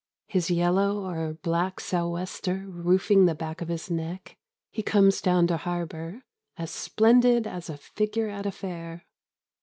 His yellow or black sou' wester roofing the back of his neck, he comes down to harbour, as splendid as a figure at a fair.